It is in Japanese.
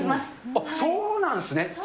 あっ、そうなんですね。